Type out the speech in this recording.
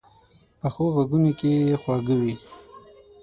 پخو غږونو کې خواږه وي